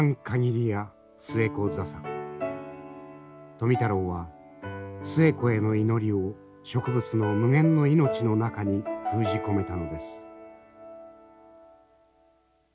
富太郎は寿衛子への祈りを植物の無限の命の中に封じ込めたのです。